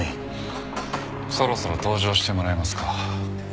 そろそろ登場してもらいますか。